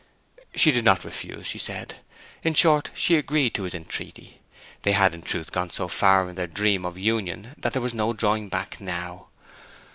She did not refuse, she said. In short she agreed to his entreaty. They had, in truth, gone so far in their dream of union that there was no drawing back now.